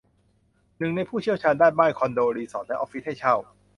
หนึ่งในผู้เชี่ยวชาญด้าน บ้าน คอนโด รีสอร์ท และออฟฟิศให้เช่า